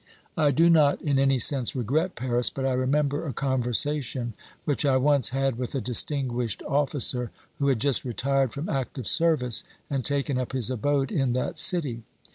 I do not in any sense regret Paris, but I remember a con versation which I once had with a distinguished officer who had just retired from active service and taken up his abode in that city.